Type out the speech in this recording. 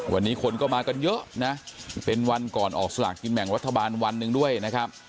วันนี้คนก็มากันเยอะนะเป็นวันก่อนออกสลากกินแบ่งรัฐบาลวันหนึ่งด้วยนะครับ